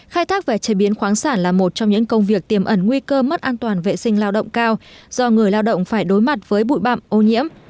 khai thác và chế biến khoáng sản là một trong những công việc tiềm ẩn nguy cơ mất an toàn vệ sinh lao động cao do người lao động phải đối mặt với bụi bạm ô nhiễm